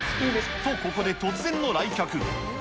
と、ここで突然の来客。